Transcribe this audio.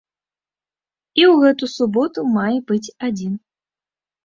І ў гэту суботу мае быць адзін.